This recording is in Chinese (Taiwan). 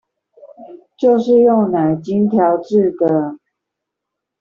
就是用奶精調製的